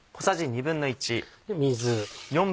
水。